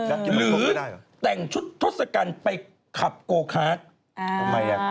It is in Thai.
หรือแต่งชุดทศกัณฐ์ไปขับโคลิซาการ